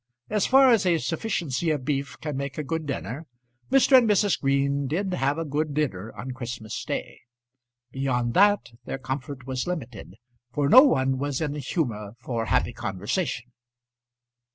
As far as a sufficiency of beef can make a good dinner Mr. and Mrs. Green did have a good dinner on that Christmas day. Beyond that their comfort was limited, for no one was in a humour for happy conversation.